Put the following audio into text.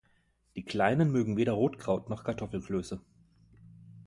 Die Kleinen mögen weder Rotkraut noch Kartoffelklöße.